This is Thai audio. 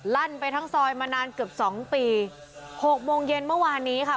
ลั่นไปทั้งซอยมานานเกือบสองปีหกโมงเย็นเมื่อวานนี้ค่ะ